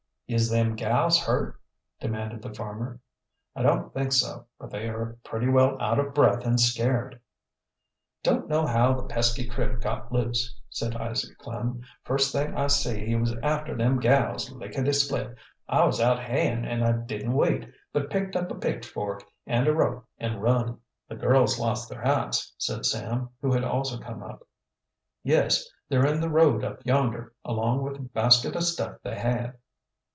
"Is them gals hurt?" demanded the farmer. "I don't think so. But they are pretty well out of breath and scared." "Don't know how the pesky critter got loose," said Isaac Klem. "First thing I see he was after them gals lickety split. I was out hayin', and I didn't wait, but picked up a pitchfork and a rope and run." "The girls lost their hats," said Sam, who had also come up. "Yes, they're in the road up yonder, along with a basket o' stuff they had."